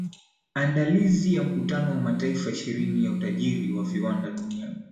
aandalizi ya mkutano wa mataifa ishirini ya utajiri wa viwanda duniani